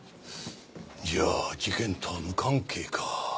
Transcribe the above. じゃあ事件とは無関係か。